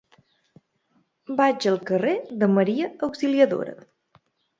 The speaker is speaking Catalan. Vaig al carrer de Maria Auxiliadora.